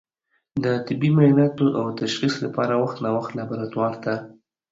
د طبي معایناتو او تشخیص لپاره وخت نا وخت لابراتوار ته